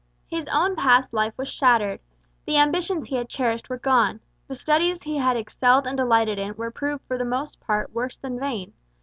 His own past life was shattered: the ambitions he had cherished were gone the studies he had excelled and delighted in were proved for the most part worse than vain.